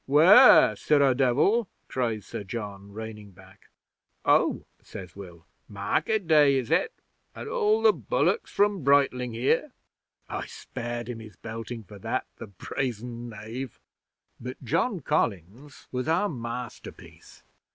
'"'Ware, Sirrah Devil!" cries Sir John, reining back. '"Oh!" says Will. "Market day, is it? And all the bullocks from Brightling here?" 'I spared him his belting for that the brazen knave! 'But John Collins was our masterpiece!